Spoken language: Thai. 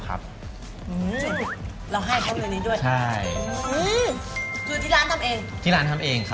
คือที่ร้านทำเอง